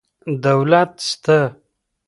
دولت سته.